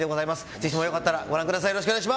ぜひともよかったらご覧ください。